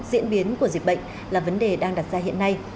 diễn biến của dịch bệnh là vấn đề đang đặt ra hiện nay